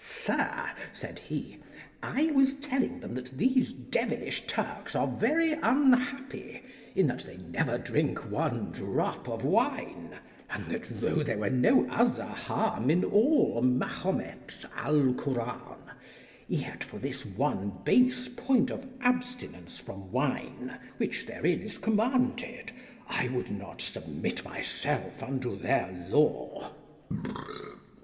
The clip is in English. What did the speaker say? Sir, said he, I was telling them that these devilish Turks are very unhappy in that they never drink one drop of wine, and that though there were no other harm in all Mahomet's Alcoran, yet for this one base point of abstinence from wine which therein is commanded, I would not submit myself unto their law.